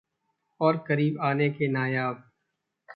और करीब आने के नायाब....